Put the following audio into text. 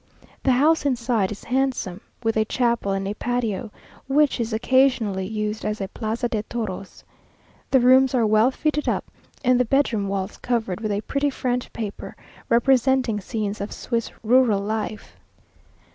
The house inside is handsome, with a chapel and a patio, which is occasionally used as a plaza de toros. The rooms are well fitted up, and the bedroom walls covered with a pretty French paper, representing scenes of Swiss rural life.